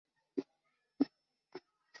以下的列表列出北朝所有的藩王。